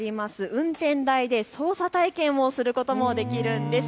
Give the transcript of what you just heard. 運転台で操車体験をすることもできるんです。